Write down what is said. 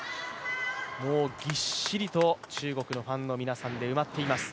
ぎっしりと中国のファンの皆さんで埋まっています。